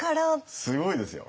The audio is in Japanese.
すごいですよ。